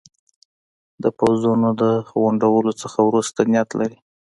د پوځونو د غونډولو څخه وروسته نیت لري.